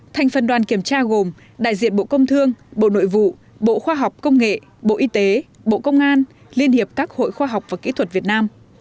thành phần đoàn kiểm tra gồm đại diện bộ công thương bộ nội vụ bộ khoa học công nghệ bộ y tế bộ công an liên hiệp các hội khoa học và kỹ thuật việt nam